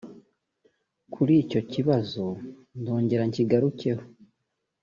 Kuli icyo kibazo ndongera nkigarukeho